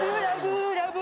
ラブ！